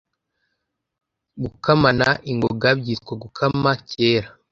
Gukamana ingoga byitwa Gukama kera